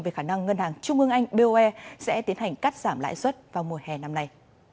về khả năng ngân hàng trung ương anh boe sẽ tiến hành cắt giảm lãi suất vào mùa hè năm nay